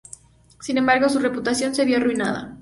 Sin embargo, su reputación se vio arruinada.